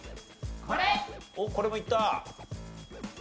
おっこれもいった。